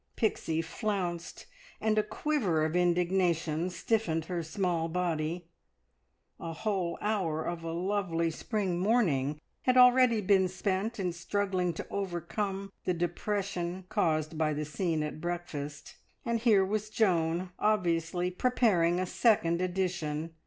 Pixie flounced, and a quiver of indignation stiffened her small body. A whole hour of a lovely spring morning had already been spent in struggling to overcome the depression caused by the scene at breakfast, and here was Joan obviously preparing a second edition.